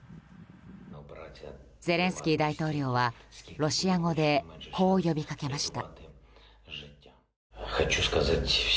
ゼレンスキー大統領はロシア語でこう呼びかけました。